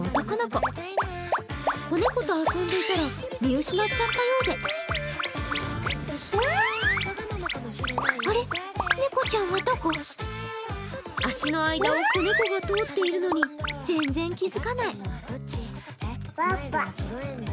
子猫と遊んでいたら見失っちゃったようで足の間を子猫が通っているのに全然気づかない。